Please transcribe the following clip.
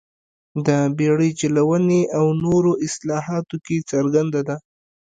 د بېړۍ چلونې او نورو اصلاحاتو کې څرګنده ده.